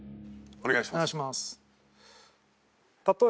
お願いします。